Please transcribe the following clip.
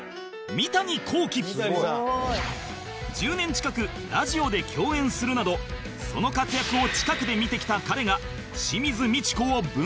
１０年近くラジオで共演するなどその活躍を近くで見てきた彼が